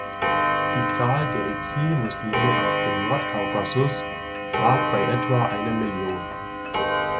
Die Zahl der Exil-Muslime aus dem Nordkaukasus lag bei etwa einer Million.